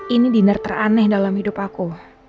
ini dinner teraneh dalam hidup aku